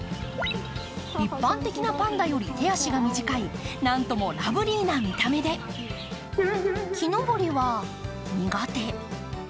一般的なパンダより、手足が短い、なんともラブリーな見た目で木登りは苦手。